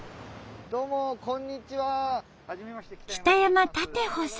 どうもこんにちは。